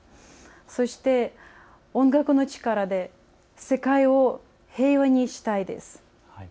そして、音楽の力で世界を平和にしたいです。